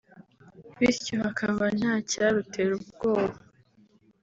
bityo hakaba nta cyarutera ubwoba